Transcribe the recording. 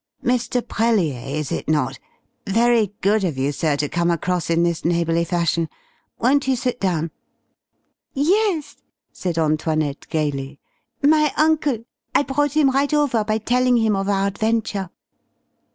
"Mr. Brellier, is it not? Very good of you, sir, to come across in this neighbourly fashion. Won't you sit down?" "Yes," said Antoinette, gaily, "my uncle. I brought him right over by telling him of our adventure."